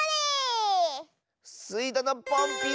スイどのポンピン！